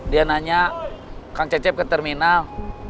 dia nanya kang cecep ke terminal